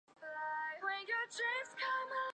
希尔施斯泰因是德国萨克森州的一个市镇。